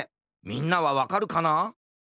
みんなはわかるかな？